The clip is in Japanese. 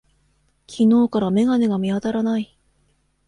昨日から眼鏡が見当たらない。